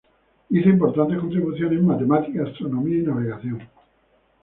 Hizo importantes contribuciones en matemáticas, astronomía y navegación.